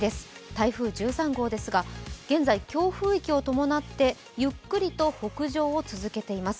台風１３号ですが、現在強風域を伴ってゆっくりと北上を続けています。